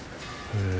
へえ。